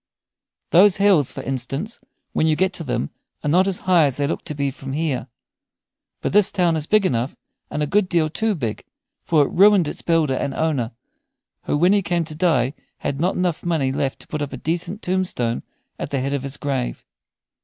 Those hills, for instance, when you get to them are not as high as they look to be from here. But the town is big enough, and a good deal too big; for it ruined its builder and owner, who when he came to die had not money enough left to put up a decent tombstone at the head of his grave.